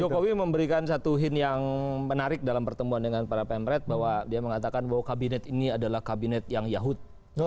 jokowi memberikan satu hint yang menarik dalam pertemuan dengan para pemret bahwa dia mengatakan bahwa kabinet ini adalah kabinet yang yahut